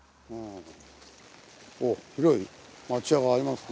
おっ広い町屋がありますね。